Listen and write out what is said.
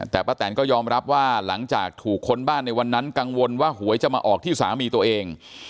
แต่ป้าแตนก็ยอมรับว่าหลังจากถูกคนบ้านในวันนั้นกังวลว่าหวยจะมาออกที่สามีตัวเอง